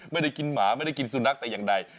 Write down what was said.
ไม่ได้กินหมาไม่ได้กินสุนัขแต่อย่างใด